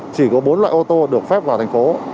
chỉ có bốn loại ô tô được phép vào thành phố